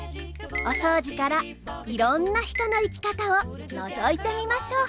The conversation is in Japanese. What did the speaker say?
お掃除からいろんな人の生き方をのぞいてみましょう。